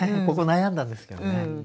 ここ悩んだんですけどね。